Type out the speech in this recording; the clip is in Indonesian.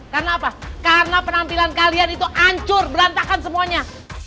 karena apa karena penampilan kalian itu hancur berantakan semuanya